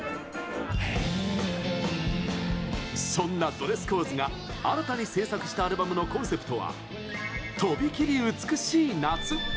そんなドレスコーズが新たに制作したアルバムのコンセプトは「とびきり美しい夏」。